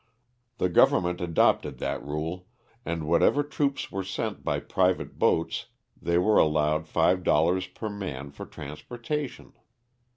The government adopted that rule, and whenever troops were sent by private boats they were allowed $5 per man for transportation.